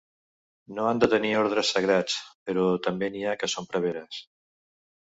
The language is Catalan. No han de tenir ordres sagrats, però també n'hi ha que són preveres.